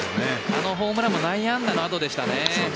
あのホームランも内野安打の後でしたね。